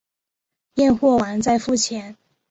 验货完再付钱